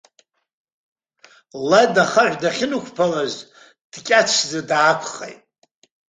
Лад, ахаҳә дахьнықәԥалаз, дкьацәӡа даақәхеит.